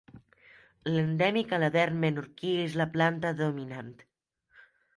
L'endèmic aladern menorquí és la planta dominant.